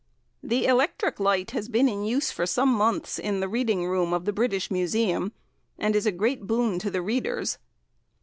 The electric light has been in use for some months in the Reading Room of the British Museum, and is a great boon to the readers.